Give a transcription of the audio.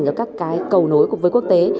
và các cái cầu nối của các doanh nghiệp này